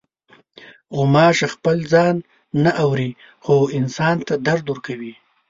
غوماشه خپل ځان نه اوري، خو انسان ته درد ورکوي.